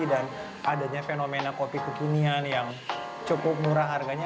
dan adanya fenomena kopi kekinian yang cukup murah harganya